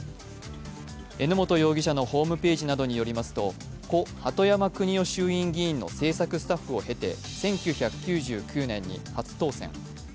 榎本容疑者のホームページなどによりますと、故鳩山邦夫衆院議員の政策スタッフを経て１９９９年に初当選。